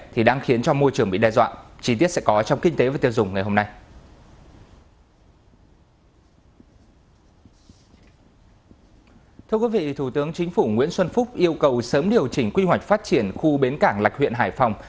thưa quý vị thủ tướng chính phủ nguyễn xuân phúc yêu cầu sớm điều chỉnh quy hoạch phát triển khu bến cảng lạch huyện hải phòng